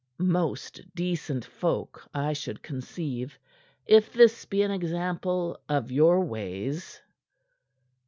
"Most decent folk, I should conceive, if this be an example of your ways."